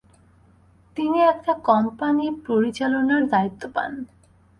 তিনি একটা কোম্পানী পরিচালনার দায়িত্ব পান।